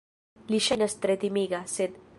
Li ŝajnas tre timiga... sed!